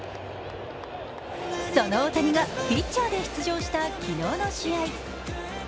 その大谷がピッチャーで出場した昨日の試合。